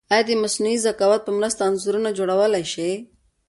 ایا د مصنوعي ذکاوت په مرسته انځورونه جوړولای شئ؟